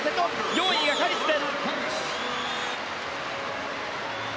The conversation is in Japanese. ４位がカリシュです。